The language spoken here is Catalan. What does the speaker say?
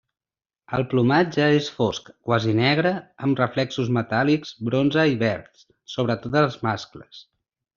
El plomatge és fosc, quasi negre, amb reflexos metàl·lics bronze i verds, sobretot els mascles.